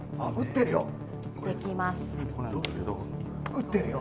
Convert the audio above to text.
打ってるよ。